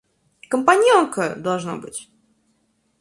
Компаньонка, должно быть.